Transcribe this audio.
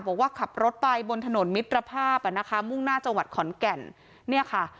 บอกว่าขับรถไปบนถนนมิตรภาพอ่ะนะคะมุ่งหน้าจังหวัดขอนแก่นเนี่ยค่ะ